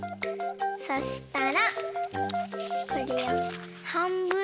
そしたらこれをはんぶんにおります。